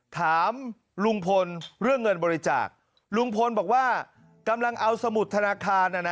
ถามลุงพลเรื่องเงินบริจาคลุงพลบอกว่ากำลังเอาสมุดธนาคารน่ะนะ